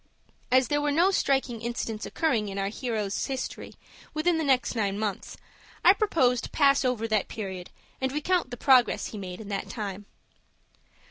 As there were no striking incidents occurring in our hero's history within the next nine months, I propose to pass over that period, and recount the progress he made in that time.